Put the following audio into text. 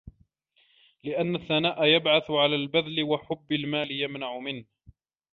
لِأَنَّ الثَّنَاءَ يَبْعَثُ عَلَى الْبَذْلِ وَحُبَّ الْمَالِ يَمْنَعُ مِنْهُ